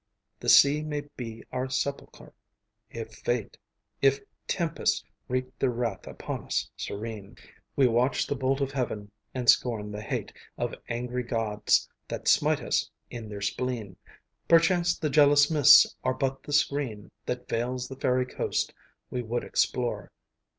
The sea may be our sepulchre. If Fate, If tempests wreak their wrath on us, serene We watch the bolt of Heaven, and scorn the hate Of angry gods that smite us in their spleen. Perchance the jealous mists are but the screen That veils the fairy coast we would explore.